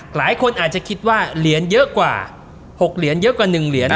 หลายคนอาจจะคิดว่าเหรียญเยอะกว่า๖เหรียญเยอะกว่า๑เหรียญ